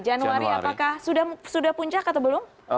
januari apakah sudah puncak atau belum